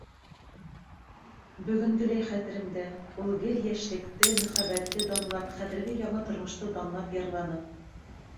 Бөгөнгөләй хәтеремдә, ул гел йәшлекте, мөхәббәтте данлап, хәҙерге яңы тормошто данлап йырланы...